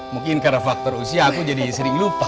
mungkin karena faktor usia aku jadi sering lupa